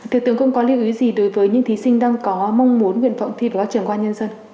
thưa tướng không có lưu ý gì đối với những thí sinh đang có mong muốn nguyện vọng thi và trưởng quan nhân dân